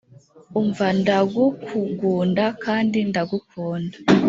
umva ndagukugunda kandi ndagukunda